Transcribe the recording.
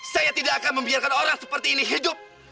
saya tidak akan membiarkan orang seperti ini hidup